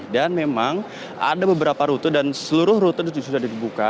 dan memang ada beberapa rute dan seluruh rute itu sudah dibuka